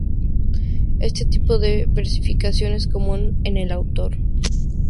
Este tipo de versificación es común en el autor.